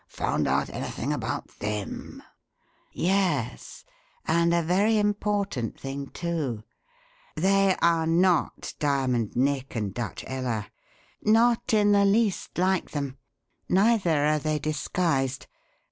Found out anything about them?" "Yes, and a very important thing, too: They are not Diamond Nick and Dutch Ella. Not in the least like them, neither are they disguised.